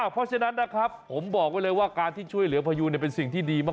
เพราะฉะนั้นนะครับผมบอกไว้เลยว่าการที่ช่วยเหลือพยูนเป็นสิ่งที่ดีมาก